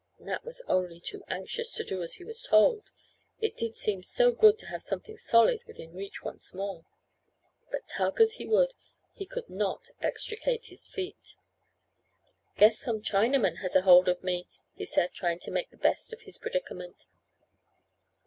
Nat was only too anxious to do as he was told. It did seem so good to have something solid within reach once more. But tug as he would, he could not extricate his feet. "Guess some Chinaman has a hold of me," he said, trying to make the best of his predicament.